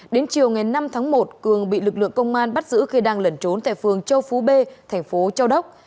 đến chiều ngày năm tháng một cường bị lực lượng công an bắt giữ khi đang lẩn trốn tại phường châu phú b thành phố châu đốc